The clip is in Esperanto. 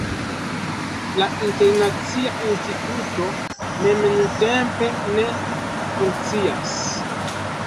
La Internacia Instituto mem nuntempe ne funkcias.